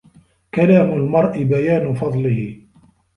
كَلَامُ الْمَرْءِ بَيَانُ فَضْلِهِ